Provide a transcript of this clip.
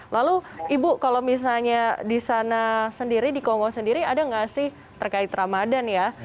lalu ibu kalau misalnya di sana sendiri di kongo sendiri ada nggak sih terkait ramadan ya